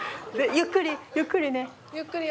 ゆっくりゆっくり。